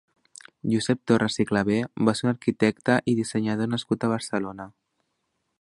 Josep Torres i Clavé va ser un arquitecte i dissenyador nascut a Barcelona.